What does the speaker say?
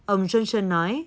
ông johnson nói